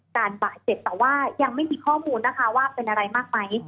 บาดเจ็บแต่ว่ายังไม่มีข้อมูลนะคะว่าเป็นอะไรมากไหม